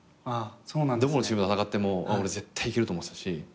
どこのチームと戦っても俺絶対いけると思ってたし。